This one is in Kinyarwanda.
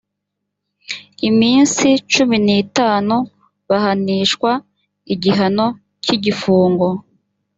iminsi cumi n itanu bahanishwa igihano cy igifungo